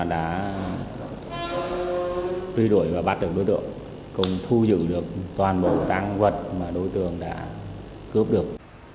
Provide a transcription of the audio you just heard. đã truy đuổi và bắt được đối tượng cùng thu giữ được toàn bộ tăng vật mà đối tượng đã cướp được